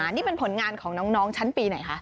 นี่เป็นผลงานของน้องชั้นปีไหนคะ